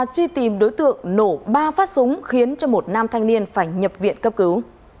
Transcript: truy tìm đối tượng nổ ba phát súng khiến cho một nam thanh niên phải nhập viện cấp cứu